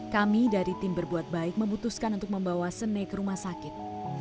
kami dari tim berbuat baik memutuskan untuk membawa sene ke rumah sakit